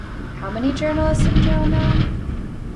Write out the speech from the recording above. How many journalists in jail now?